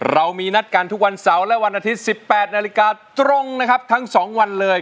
เรามีนัดกันทุกวันเสาร์และวันอาทิตย์๑๘นาฬิกาตรงนะครับทั้ง๒วันเลย